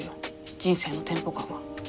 人生のテンポ感が。